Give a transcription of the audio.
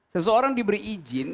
seseorang diberi izin